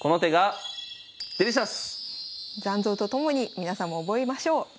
残像と共に皆さんも覚えましょう。